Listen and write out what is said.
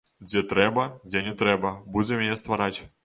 Дзе трэба, дзе не трэба, будзем яе ствараць.